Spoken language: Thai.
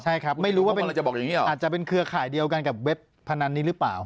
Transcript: ใช่ครับไม่รู้ว่าจะเป็นเครือขายเดียวกันกับเว็บพนันนี้หรือเปล่า